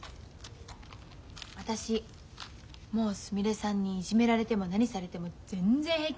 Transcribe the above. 私もうすみれさんにいじめられても何されても全然平気。